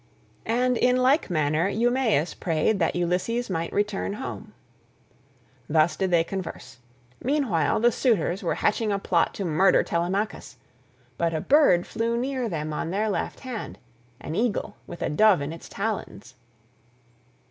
And in like manner Eumaeus prayed that Ulysses might return home. Thus did they converse. Meanwhile the suitors were hatching a plot to murder Telemachus: but a bird flew near them on their left hand—an eagle with a dove in its talons.